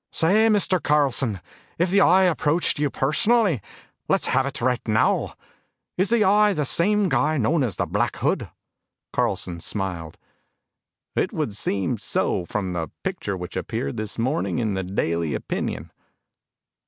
"Say, Mr. Carlson, if the Eye approached you personally let's have it right now. Is the Eye this same guy known as the Black Hood?" Carlson smiled. "It would seem so from the picture which appeared this morning in the Daily Opinion."